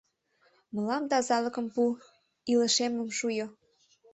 Мылам тазалыкым пу, илышемым шуйо!